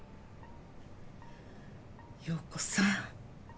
陽子さん